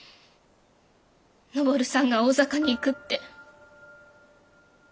登さんが大坂に行くって。